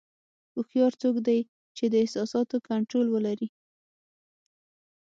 هوښیار څوک دی چې د احساساتو کنټرول ولري.